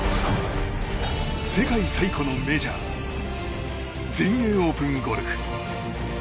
世界最古のメジャー全英オープンゴルフ。